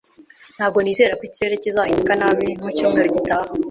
Ntabwo nizera ko ikirere kizahinduka nabi mu cyumweru gitaha.